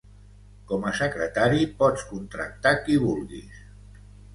Com a secretari, pots contractar qui vulguis.